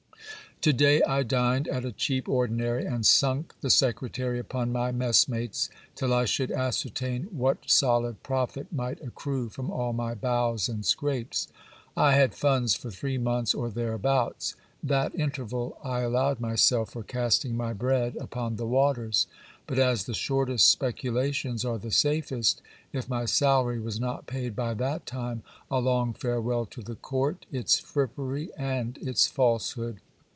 To day I dined at a cheap ordinary, and sunk the secretary upon my mess mates, till I should ascertain what solid profit might accrue from all my bows and scrapes. I had funds for three months, or thereabouts. That interval I allowed myself for casting my bread upon the waters. But as the shortest speculations are the safest, if my salary was not paid by that time, a long fare well to the court, its frippery, and its falsehood